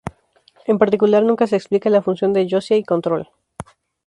En particular, nunca se explica la función de Josiah y Control.